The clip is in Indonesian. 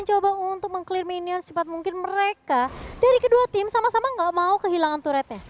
dan coba untuk meng clear minion secepat mungkin mereka dari kedua tim sama sama gak mau kehilangan turret nya